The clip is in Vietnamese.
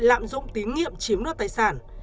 lạm dụng tín nghiệm chiếm đoạt tài sản